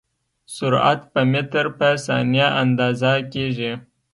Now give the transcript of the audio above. سرعت په متر په ثانیه اندازه کېږي.